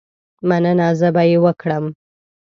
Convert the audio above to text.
مننه، زه به یې وکړم.